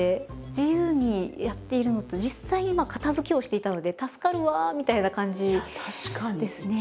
自由にやっているのと実際に片づけをしていたので「助かるわ」みたいな感じですね。